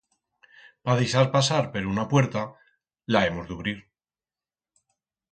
Pa deixar pasar per una puerta, la hemos d'ubrir.